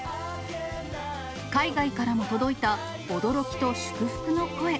海外からも届いた、驚きと祝福の声。